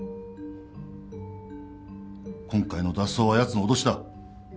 今回の脱走はやつの脅しだ。